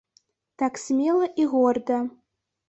Так смела і горда.